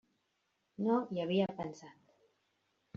No hi havia pensat.